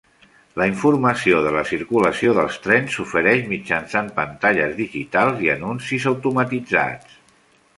La informació de la circulació dels trens s'ofereix mitjançant pantalles digitals i anuncis automatitzats.